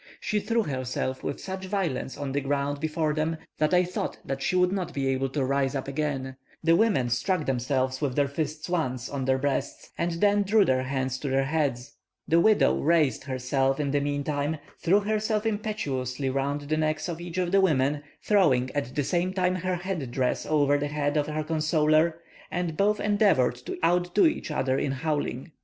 She threw herself with such violence on the ground before them, that I thought she would not be able to rise up again; the women struck themselves with their fists once on their breasts, and then drew their hands to their heads. The widow raised herself in the meantime, threw herself impetuously round the necks of each of the women, throwing, at the same time, her head dress over the head of her consoler, and both endeavoured to out do each other in howling.